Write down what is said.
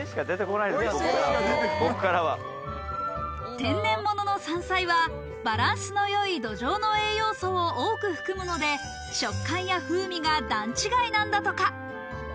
天然物の山菜はバランスの良い土壌の栄養素を多く含むので、食感や風味が段違いなんだとか。